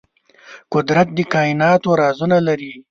قدرت د کائناتو رازونه لري.